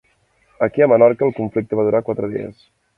Aquí a Menorca el conflicte va durar quatre dies.